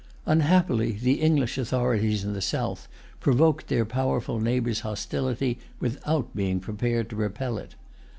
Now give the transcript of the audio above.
Unhappily the English authorities in the south provoked their powerful neighbor's hostility, without being prepared to repel it.